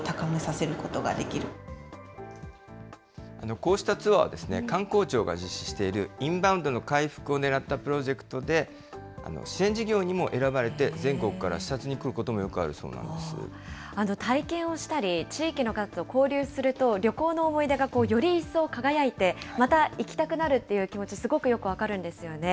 こうしたツアーは、観光庁が実施しているインバウンドの回復をねらったプロジェクトで、支援事業にも選ばれて、全国から視察に来ることもよくあるそ体験をしたり、地域の方と交流すると、旅行の思い出がより一層輝いて、また行きたくなるっていう気持ち、すごくよく分かるんですよね。